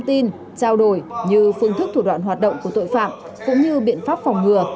tin trao đổi như phương thức thủ đoạn hoạt động của tội phạm cũng như biện pháp phòng ngừa